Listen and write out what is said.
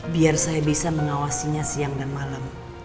biar saya bisa mengawasinya siang dan malam